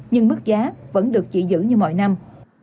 nhưng mức giá vẫn được chỉ giữ như mọi năm